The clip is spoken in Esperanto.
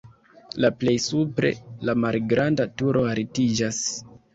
La plej supre la malgranda turo altiĝas.